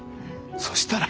そしたら。